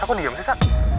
sa aku diem sih sa